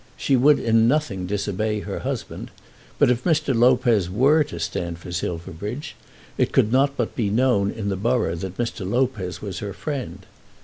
She would in nothing disobey her husband, but if Mr. Lopez were to stand for Silverbridge, it could not but be known in the borough that Mr. Lopez was her friend.